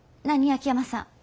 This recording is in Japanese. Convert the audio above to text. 秋山さん。